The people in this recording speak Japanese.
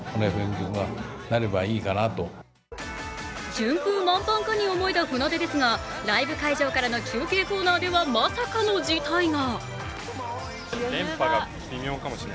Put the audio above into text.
順風満帆かに思えた船出ですが、ライブ会場からの中継コーナーではまさかの事態が。